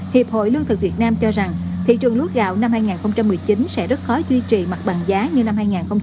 hiệp hội lương thực việt nam cho rằng thị trường lúa gạo năm hai nghìn một mươi chín sẽ rất khó duy trì mặt bằng giá như năm hai nghìn hai mươi